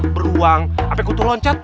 beruang api kutu loncat